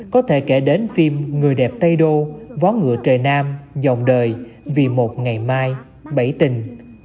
có thể kể đến phim người đẹp tây đô vó ngựa trời nam dòng đời vì một ngày mai bảy tình